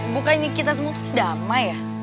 bukannya kita semua tuh damai ya